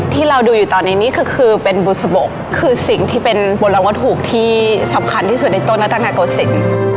ที่เราดูอยู่ตอนนี้นี่คือคือเป็นบุษบกคือสิ่งที่เป็นบรรวมกระถูกที่สำคัญที่สุดในต้นแล้วตั้งแต่เกาะสิน